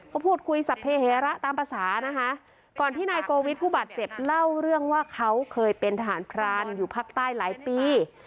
ก็พูดคุยสัพเฮระตามภาษานะคะก่อนที่นายโกวิทผู้บาดเจ็บเล่าเรื่องว่าเขาเคยเป็นทหารพรานอยู่ภาคใต้หลายปี